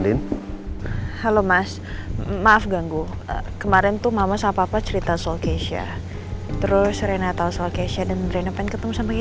ternyata untuk mencari babysitter gak gampang